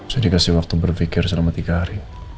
saya dikasih waktu berpikir selama tiga hari